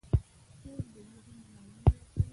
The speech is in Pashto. خوب د ذهن رڼا زیاتوي